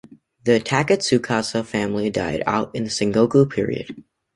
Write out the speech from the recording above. The Takatsukasa family died out in the Sengoku period.